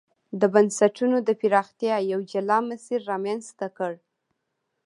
د بنسټونو د پراختیا یو جلا مسیر رامنځته کړ.